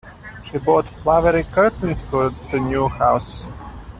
She bought flowery curtains for the new house.